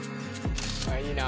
いいな。